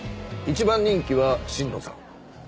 一番人気は新野さん。